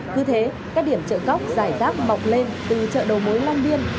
cứ thế các điểm chợ góc giải rác mọc lên từ chợ đầu mối long biên